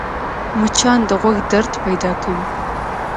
مچان د غوږ درد پیدا کوي